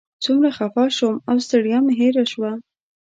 څومره خفه شوم او ستړیا مې هېره شوه.